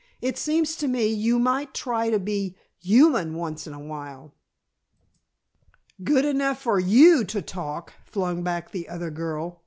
"It seems to me, you might try to be human, once in a while." "Good enough for you to talk," flung back the other girl.